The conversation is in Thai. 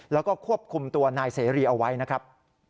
แล้วก็ควบคุมตัวนายเสรีเอาไว้นะครับ